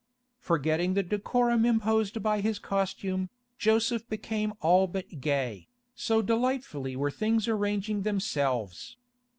Forgetting the decorum imposed by his costume, Joseph became all but gay, so delightfully were things arranging themselves.